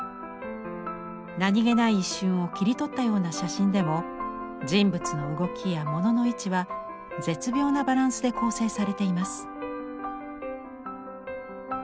何気ない一瞬を切り取ったような写真でも人物の動きや物の位置は絶妙なバランスで構成されています。